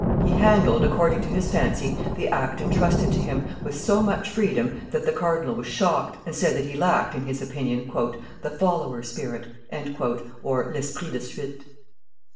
He handled according to his fancy the act intrusted to him, with so much freedom that the cardinal was shocked, and said that he lacked, in his opinion, "the follower spirit" (l'esprit de suite).